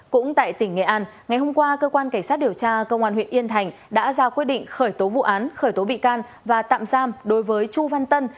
cũng tại tỉnh nghệ an ngày hôm qua cơ quan cảnh sát điều tra công an huyện yên thành đã ra quyết định khởi tố vụ án khởi tố bị can và tạm giam đối với chu văn tân